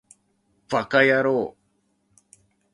ヴぁかやろう